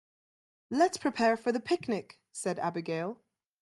"Let's prepare for the picnic!", said Abigail.